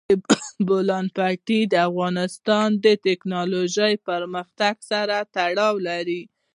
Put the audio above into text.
د بولان پټي د افغانستان د تکنالوژۍ پرمختګ سره تړاو لري.